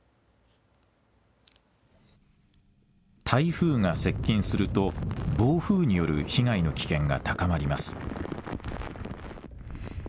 台風が接近すると暴風による被害の危険が高まります。